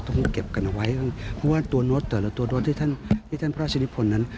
ต้องเก็บกันไว้เพราะว่าตัวเนอร์ตัวและตัวโน้ตที่ท่านพระราชนิพลนั้น